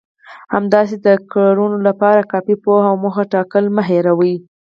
همداسې د کړنو لپاره کافي پوهه او موخه ټاکل مه هېروئ.